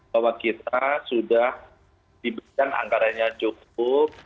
bahwa kita sudah diberikan anggarannya cukup